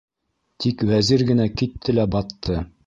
Тик Вәзир генә китте лә батты.